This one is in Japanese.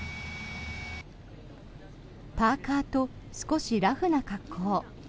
パーカと少しラフな格好。